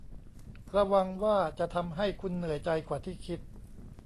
ระวังว่าจะทำให้คุณเหนื่อยใจกว่าที่คิด